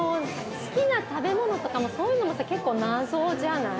好きな食べ物とかもそういうのもさ結構謎じゃない？